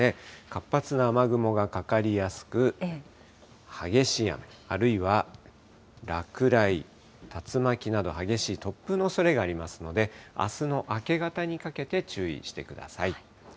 活発な雨雲がかかりやすく、激しい雨、あるいは落雷、竜巻など、激しい突風のおそれがありますので、あすの明け方にかけて注意してください。